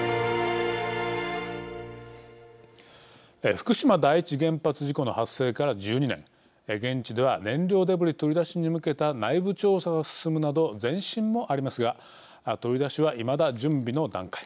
福島第一原発事故の発生から１２年現地では燃料デブリ取り出しに向けた内部調査が進むなど前進もありますが取り出しは、いまだ準備の段階。